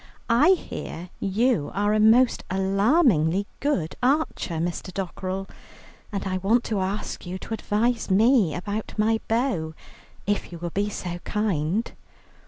I hear you are a most alarmingly good archer, Mr. Dockerell, and I want to ask you to advise me about my bow, if you will be so kind."